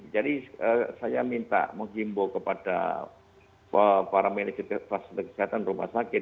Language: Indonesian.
jadi saya minta menghimbau kepada para manajer kelas kesehatan rumah sakit